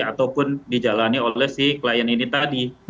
ataupun dijalani oleh si klien ini tadi